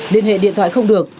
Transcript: liên hệ điện thoại không được